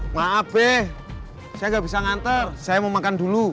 maaf beh saya nggak bisa ngantar saya mau makan dulu